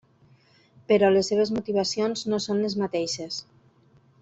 Però les seves motivacions no són les mateixes.